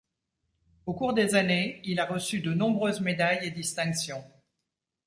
Au cours des années, il a reçu de nombreuses médailles et distinctions.